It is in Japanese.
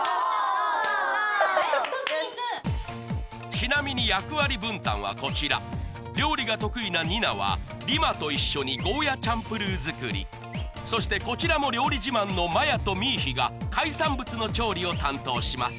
ちなみに役割分担はこちら料理が得意なＮＩＮＡはＲＩＭＡと一緒にゴーヤチャンプルー作りそしてこちらも料理自慢のＭＡＹＡとＭＩＩＨＩが海産物の調理を担当します